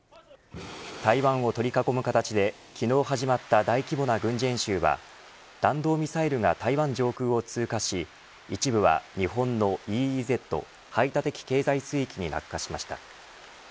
台湾を取り囲む形で昨日始まった大規模な軍事演習は弾道ミサイルが台湾上空を通過し一部は、日本のＥＥＺ排他的経済水域に落下しました。